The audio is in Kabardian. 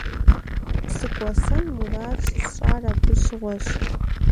СыкӀуэсэн мурад щысщӀар абы щыгъуэщ.